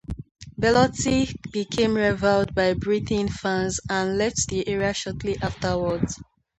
Bellotti became reviled by Brighton fans and left the area shortly afterwards.